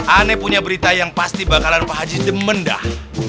aneh punya berita yang pasti bakalan pak haji demendah